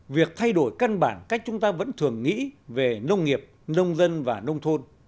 việc thay đổi căn bản cách chúng ta vẫn thường nghĩ về nông nghiệp nông dân và nông thôn